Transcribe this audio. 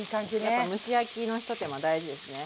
やっぱ蒸し焼きのひと手間大事ですね。